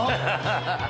ハハハ。